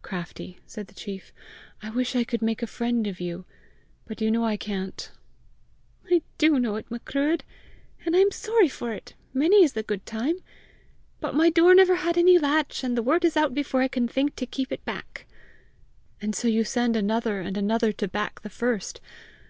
"Craftie," said the chief, "I wish I could make a friend of you! But you know I can't!" "I do know it, Macruadh, and I am sorry for it, many is the good time! But my door never had any latch, and the word is out before I can think to keep it back!" "And so you send another and another to back the first!